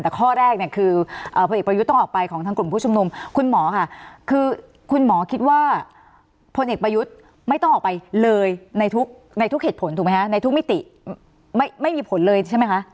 แต่ข้อแรกเนี่ยคือพลเอกประยุทธ์ต้องออกไปของทางกลุ่มผู้ชุมนุมคุณหมอค่ะคือคุณหมอคิดว่าพลเอกประยุทธ์ไม่ต้องออกไปเลยในทุกในทุกเหตุผลถูกไหมคะในทุกมิติไม่มีผลเลยใช่ไหมคะ